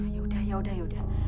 yaudah yaudah yaudah